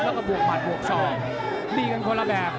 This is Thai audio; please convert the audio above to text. แล้วก็บวกหมัดบวกศอกดีกันคนละแบบ